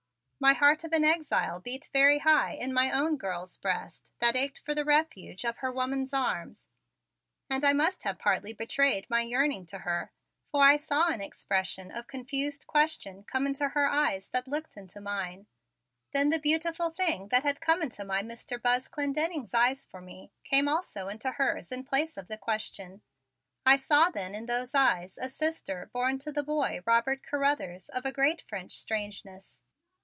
My heart of an exile beat very high in my own girl's breast that ached for the refuge of her woman's arms, and I must have partly betrayed my yearning to her, for I saw an expression of confused question come into her eyes that looked into mine; then the beautiful thing that had come into my Mr. Buzz Clendenning's eyes for me came also into hers in place of the question. I saw then in those eyes a sister born to the boy Robert Carruthers of a great French strangeness.